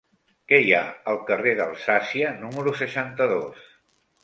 Què hi ha al carrer d'Alsàcia número seixanta-dos?